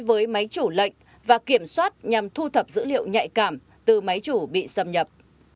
với máy chủ lệnh và kiểm soát nhằm thu thập dữ liệu nhạy cảm từ máy chủ bị xâm nhập